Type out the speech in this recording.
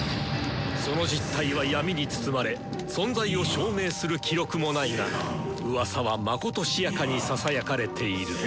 その実体は闇に包まれ存在を証明する記録もないがうわさはまことしやかにささやかれている。